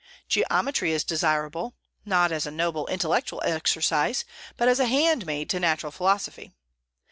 Geometry is desirable, not as a noble intellectual exercise, but as a handmaid to natural philosophy.